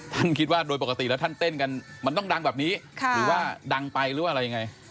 คิดว่าโดยปกติแล้วท่านเต้นกันมันต้องดังแบบนี้หรือว่าดังไปหรือว่าอะไรยังไง